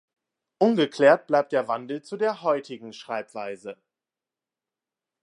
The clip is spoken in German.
Ungeklärt bleibt der Wandel zu der heutigen Schreibweise.